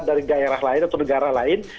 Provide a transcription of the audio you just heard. dari daerah lain atau negara lain